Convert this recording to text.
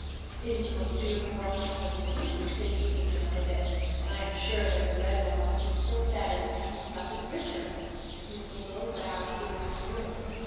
"It is the most beautiful work I have ever seen," said he, taking up a bit. "And I am sure that the red one will be still better, because the stuff is richer," and with a low bow he left the room.